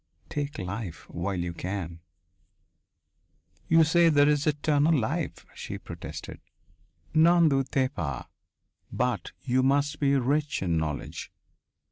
Take life while you can." "You say there is eternal life," she protested. "N'en doutez pas! But you must be rich in knowledge.